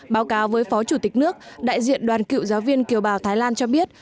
báo cáo với phó chủ tịch nước đại diện đoàn cựu giáo viên kiều bào thái lan cho biết